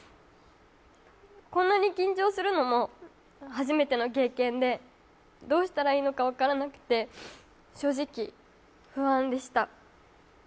こんなに緊張するのも初めての経験でどうしたらいいのか分からなくて正直、不安でした。